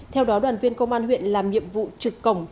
theo đó đoàn viên công an huyện làm nhiệm vụ trực cổng